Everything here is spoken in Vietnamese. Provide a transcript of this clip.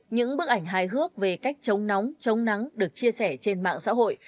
những bức ảnh hài hước về cách chống nóng chống nắng được chia sẻ trên mạng xã hội